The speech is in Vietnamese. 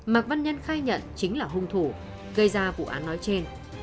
mạc văn nhân khai nhận chính là hung thủ gây ra vụ án nói trên